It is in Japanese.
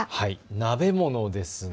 鍋物ですね。